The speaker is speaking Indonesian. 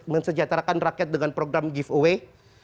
mensejahterakan rakyat dengan program giveaway